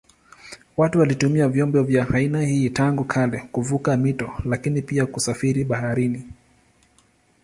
Watu walitumia vyombo vya aina hii tangu kale kuvuka mito lakini pia kusafiri baharini.